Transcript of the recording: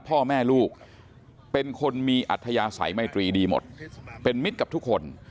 พ่อแม่ลูกเป็นคนมีอัธยาศัยไมตรีดีหมดเป็นมิตรกับทุกคน